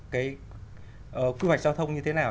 cái quy hoạch giao thông như thế nào